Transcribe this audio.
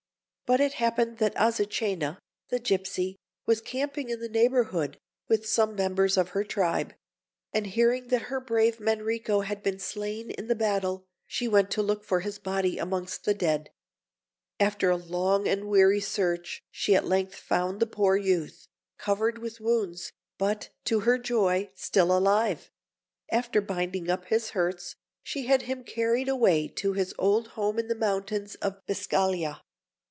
But it happened that Azucena, the gipsy, was camping in the neighbourhood, with some members of her tribe; and hearing that her brave Manrico had been slain in the battle, she went to look for his body amongst the dead. After a long and weary search she at length found the poor youth, covered with wounds, but, to her joy, still alive; and after binding up his hurts, she had him carried away to his old home in the mountains of Biscaglia.